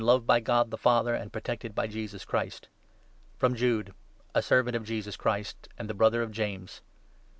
loved by God the Father and protected by Jesus Christ, FROM Jude, a servant of Jesus Christ, and the brother of James.